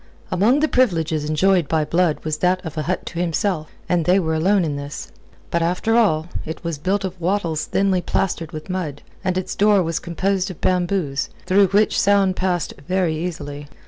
Among the privileges enjoyed by Blood was that of a hut to himself, and they were alone in this. But, after all, it was built of wattles thinly plastered with mud, and its door was composed of bamboos, through which sound passed very easily.